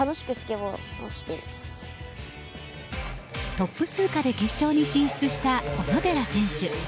トップ通過で決勝に進出した小野寺選手。